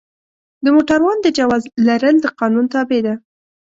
د موټروان د جواز لرل د قانون تابع ده.